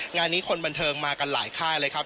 งานนี้คนบันเทิงมากันหลายค่ายเลยครับ